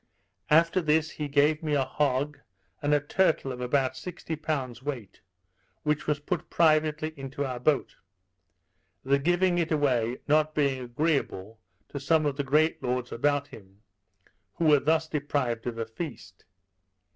After this he gave me a hog, and a turtle of about sixty pounds weight, which was put privately into our boat; the giving it away not being agreeable to some of the great lords about him, who were thus deprived of a feast.